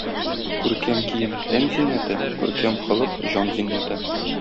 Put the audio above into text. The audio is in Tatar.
Күркәм кием — тән зиннәте, күркәм холык — җан зиннәте.